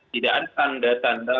tidak ada tanda tanda